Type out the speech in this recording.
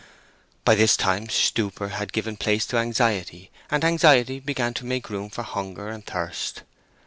By this time stupor had given place to anxiety, and anxiety began to make room for hunger and thirst.